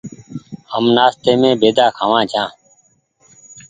هم نآستي مين بيدآ کآوآن ڇآن ۔